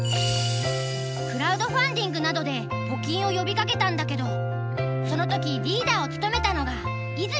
クラウドファンディングなどで募金を呼びかけたんだけどその時リーダーを務めたのが和泉さんなんだ。